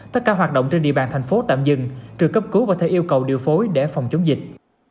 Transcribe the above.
tất cả hoạt động trên địa bàn thành phố tạm dừng trừ cấp cứu và theo yêu cầu điều phối để phòng chống dịch